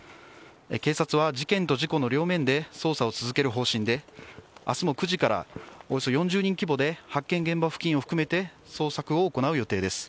警察は事件と事故の両面で捜査を続ける方針で明日も９時からおよそ４０人規模で発見現場付近を含めて捜索を行う予定です。